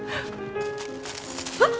あっ！